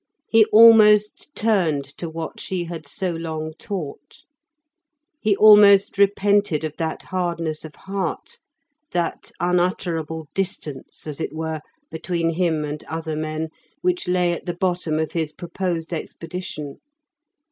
He almost turned to what she had so long taught. He almost repented of that hardness of heart, that unutterable distance, as it were, between him and other men, which lay at the bottom of his proposed expedition.